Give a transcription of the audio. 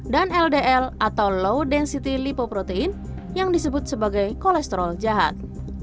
dan ldl atau low density lipoprotein yang disebut sebagai kolesterol jahat